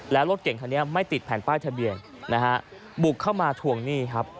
แล้วรถเก่งคันนี้ไม่ติดแผ่นป้ายทะเบียนนะฮะบุกเข้ามาทวงหนี้ครับ